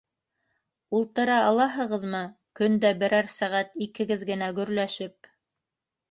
Ултыра алаһығыҙмы көн дә берәр сәғәт икегеҙ генә гөрләшеп?